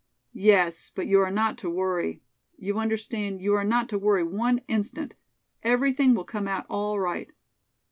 "Yes, but you are not to worry. You understand, you are not to worry one instant. Everything will come out all right."